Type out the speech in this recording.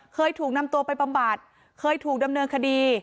เคยถูกนำตัวไปบำบัดเคยถูกดำเนินคดี